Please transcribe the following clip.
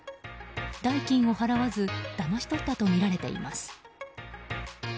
代金を払わずだまし取ったとみられています。